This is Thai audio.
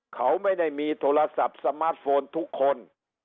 เขาไม่ได้มีโทรศัพท์สมาร์ทโฟนทุกคน